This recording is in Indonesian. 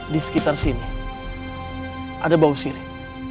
di sekitar sini ada bau sirih